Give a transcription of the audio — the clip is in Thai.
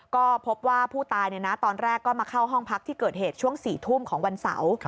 ก็พบว่าผู้ตายตอนแรกก็มาเข้าห้องพักที่เกิดเหตุช่วง๔ทุ่มของวันเสาร์